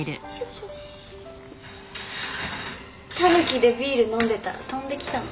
「たぬき」でビール飲んでたら飛んできたの。